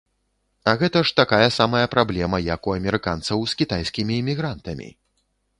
А гэта ж такая самая праблема, як у амерыканцаў з кітайскімі імігрантамі.